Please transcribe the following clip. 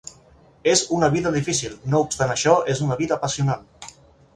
És una vida difícil, no obstant això, és una vida apassionant.